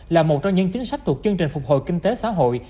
là một trong những chính sách thuộc chương trình phục hồi kinh tế xã hội